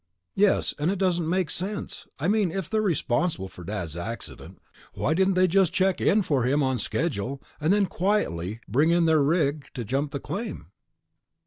"Yes, and it doesn't make sense. I mean, if they were responsible for Dad's accident, why didn't they just check in for him on schedule and then quietly bring in their rig to jump the claim?"